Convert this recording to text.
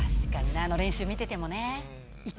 あの練習見ててもね。